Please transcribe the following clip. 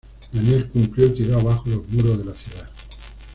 Daniel cumplió y tiró abajo los muros de la ciudad.